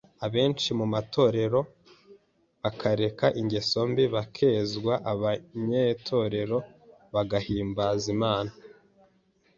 abenshi mu matorero bakareka ingeso mbi bakezwa, abanyetorero bagahimbaza Imana